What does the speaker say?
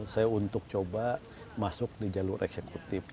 saya untuk coba masuk di jalur eksekutif